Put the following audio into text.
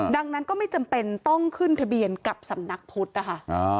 ดังนั้นก็ไม่จำเป็นต้องขึ้นทะเบียนกับสำนักพุทธนะคะ